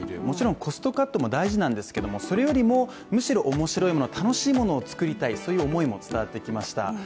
もちろんコストカットは大事なんですけどそれよりもむしろ面白いもの、楽しいものを作りたいという思いも伝わってきました。